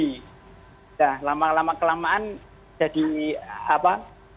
sudah lama lama kelamaan jadi apa